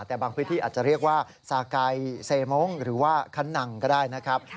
แต่บางพื้นที่อาจจะเรียกว่าสาไก่เซมงค์หรือว่าขนังก็ได้นะครับ